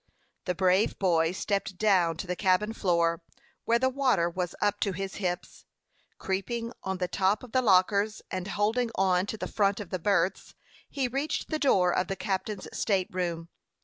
The brave boy stepped down to the cabin floor, where the water was up to his hips. Creeping on the top of the lockers, and holding on to the front of the berths, he reached the door of the captain's state room.